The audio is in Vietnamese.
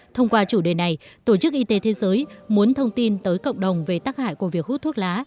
thông qua chủ đề này tổ chức y tế thế giới muốn thông tin tới cộng đồng về tác hại của việc hút thuốc lá